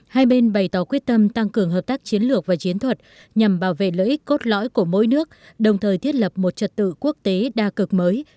hai bên bày tỏ quyết tâm tăng cường hợp tác chiến lược và chiến thuật nhằm bảo vệ lợi ích cốt lõi của mỗi nước đồng thời thiết lập một trật tự quốc tế đa cực mới